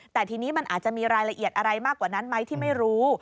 แต่ทีนี้มันอาจจะมีรายละเอียดอะไรมากกว่านั้นไหมที่ไม่รู้